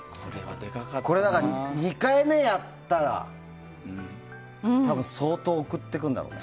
これは２回目やったら多分、相当送ってくるんだろうな。